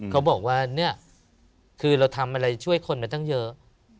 เขาบอกว่าเนี่ยคือเราทำอะไรช่วยคนมาตั้งเยอะ